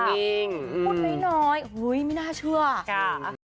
จริงจริงอืมพูดน้อยน้อยเฮ้ยไม่น่าเชื่ออ่ะกล้า